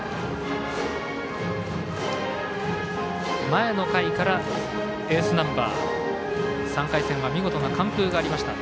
前の回からエースナンバー３回戦は見事な完封がありました